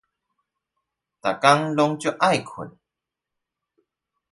每天都好想要睡覺